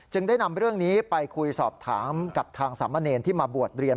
ได้นำเรื่องนี้ไปคุยสอบถามกับทางสามเณรที่มาบวชเรียน